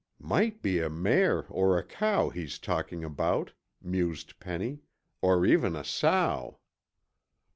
"Might be a mare or a cow he's talking about," mused Penny, "or even a sow."